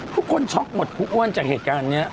ทุกคนช็อกหมดครูอ้วนจากเหตุการณ์นี้